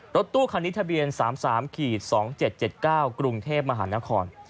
รถตู้คันนี้ทะเบียน๓๓๒๗๗๙กรุงเทพมหานคร